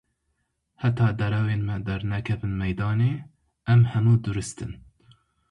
Heta derewên me dernekevin meydanê, em hemû durist in.